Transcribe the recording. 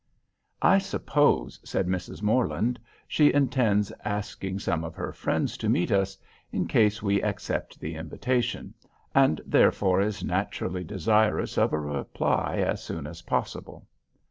"I suppose," said Mrs. Morland, "she intends asking some of her friends to meet us, in case we accept the invitation; and therefore is naturally desirous of a reply as soon as possible.